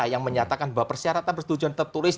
yang menyatakan bahwa persyaratan bersetujuan tertulis